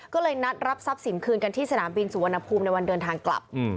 ก็เลยนัดรับทรัพย์สินคืนกันที่สนามบินสุวรรณภูมิในวันเดินทางกลับ